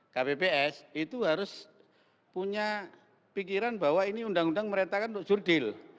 kpps itu harus punya pikiran bahwa ini undang undang meretakan untuk jurdil